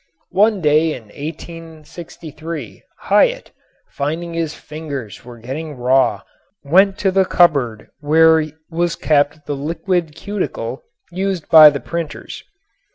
One day in 1863 Hyatt, finding his fingers were getting raw, went to the cupboard where was kept the "liquid cuticle" used by the printers.